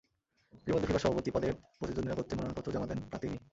এরই মধ্যে ফিফা সভাপতি পদে প্রতিদ্বন্দ্বিতা করতে মনোনয়নপত্রও জমা দেন প্লাতিনি।